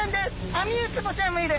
アミウツボちゃんもいる。